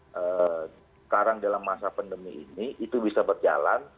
sekarang dalam masa pandemi ini itu bisa berjalan